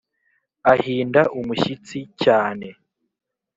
ahinda umushyitsi cyane,